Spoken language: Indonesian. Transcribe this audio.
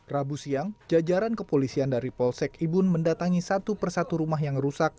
rabu siang jajaran kepolisian dari polsek ibun mendatangi satu persatu rumah yang rusak